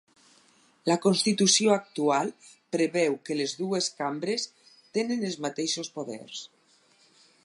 La constitució actual preveu que les dues cambres tenen els mateixos poders.